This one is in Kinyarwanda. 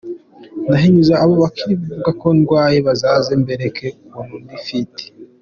Ndahinyuza abo bari kuvuga ko ndwaye bazaze mbereke ukuntu ndi fit.”